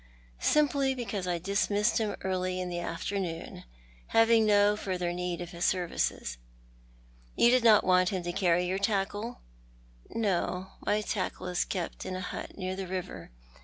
Simply because I dismissed him early in the afternoon, having no further need of his services." " You did not want him to carry your tackle ?"" No, my tackle is kept in a hut near tlie river.